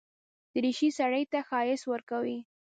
دریشي سړي ته ښايست ورکوي.